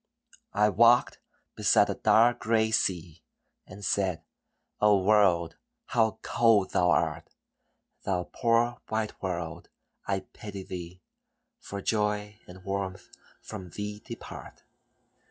I walked beside a dark gray sea, And said, "O world, how cold thou art! Thou poor white world, I pity thee, For joy and warmth from thee depart.